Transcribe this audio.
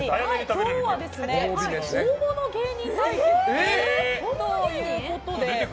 今日は大物芸人対決？？？ということで。